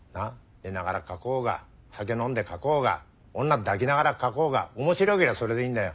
寝ながら書こうが酒飲んで書こうが女抱きながら書こうが面白けりゃそれでいいんだよ。